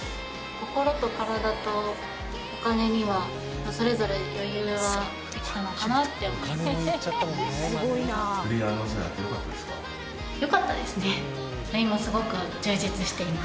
心と体とお金にはそれぞれ余裕はできたのかなって思います。